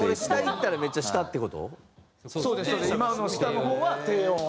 今の下の方は低音。